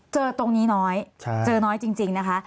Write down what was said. เจอตรงนี้น้อยจริงนะคะ